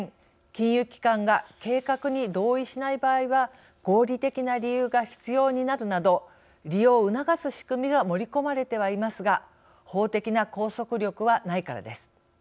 金融機関が計画に同意しない場合は合理的な理由が必要になるなど利用を促す仕組みが盛り込まれてはいますが法的な拘束力はないからです。